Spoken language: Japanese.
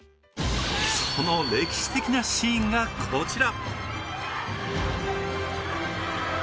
その歴史的なシーンがこちら。